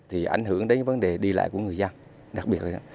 thì ảnh hưởng đến vấn đề đi lại của người dân đặc biệt